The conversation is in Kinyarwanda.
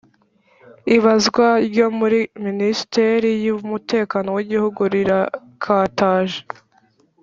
ibazwa ryo muri Minisiteri y umutekano w Igihugu Rirakataje